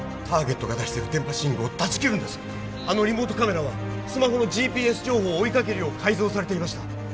ターゲットが出している電波信号を断ち切るんですあのリモートカメラはスマホのＧＰＳ情報を追いかけるよう改造されていました